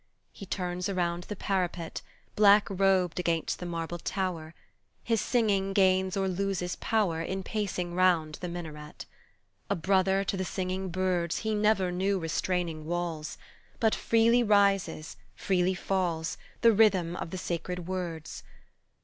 He turns around the parapet, Black robed against the marble tower; His singing gains or loses power In pacing round the minaret. A brother to the singing birds He never knew restraining walls, But freely rises, freely falls The rhythm of the sacred words.